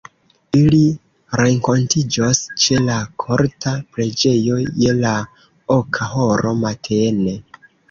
Ili renkontiĝos ĉe la Korta Preĝejo je la oka horo matene.